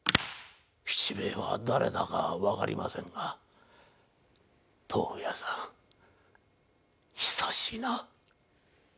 吉兵衛は誰だかわかりませんが豆腐屋さん久しいな。